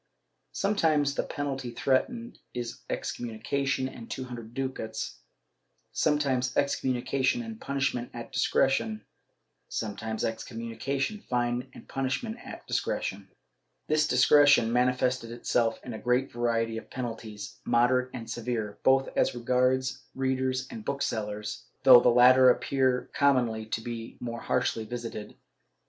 Sometimes the penalty threatened is excommunication and two hundred ducats, sometimes excom munication and punishment at discretion, sometimes excommimi cation, fine and punishment at discretion.* This discretion manifested itself in a great variety of penalties, moderate and severe, both as regards readers and booksellers, though the latter appear commonly to be the more harshly visited.